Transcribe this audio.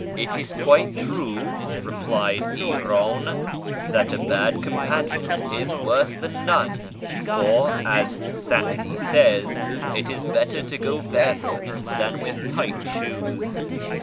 " It is quite true," replied Iran, " that a bad companion is worse than none, for, as Sa'di says, it is better to go barefoot than with tight shoes.